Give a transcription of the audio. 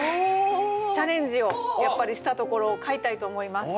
チャレンジをやっぱりしたところを買いたいと思います。